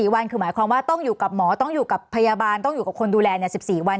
วันคือหมายความว่าต้องอยู่กับหมอต้องอยู่กับพยาบาลต้องอยู่กับคนดูแล๑๔วัน